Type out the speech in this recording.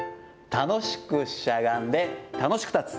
楽しくしゃがんで楽しく立つ。